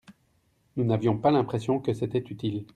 nous n'avions pas l'impression que c'était utile.